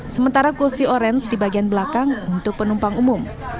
sementara kursi orange di bagian belakang untuk penumpang umum